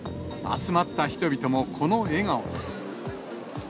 集まった人々もこの笑顔です。